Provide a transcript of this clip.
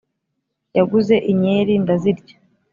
yaguze inyeri ndazirya